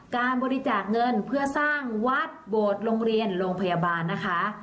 การบริจาคเงินเพื่อสร้างวัดโบสถ์โรงเรียนโรงพยาบาลนะคะ